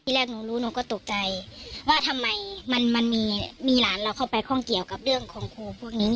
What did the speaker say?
แรกหนูรู้หนูก็ตกใจว่าทำไมมันมีหลานเราเข้าไปข้องเกี่ยวกับเรื่องของครูพวกนี้